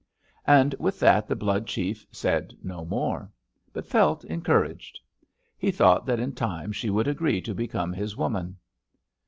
"And with that the Blood chief said no more, but felt encouraged: he thought that in time she would agree to become his woman.